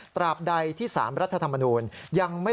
แตราบใดที่๓รัฐธรรมนูญ